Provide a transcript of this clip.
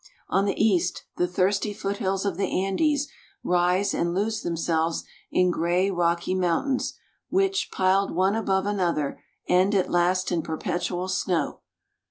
On the east the thirsty foothills of the Andes rise and lose themselves in gray rocky moun tains, which, piled one above another, end at last in per petual snow.